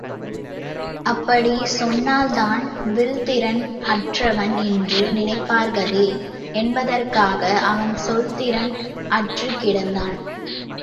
அப்படிச் சொன்னால் தான் வில்திறன் அற்றவன் என்று நினைப்பார்களே என்பதற்காக அவன் சொல்திறன் அற்றுக் கிடந்தான்.